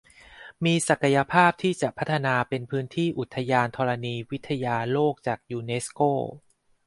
มีศักยภาพที่จะพัฒนาเป็นพื้นที่อุทยานธรณีวิทยาโลกจากยูเนสโก